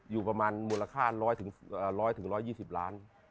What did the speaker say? อยู่ประมาณมูลค่า๑๐๐๑๒๐ล้าน